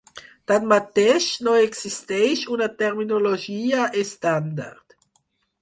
Tanmateix, no existeix una terminologia estàndard.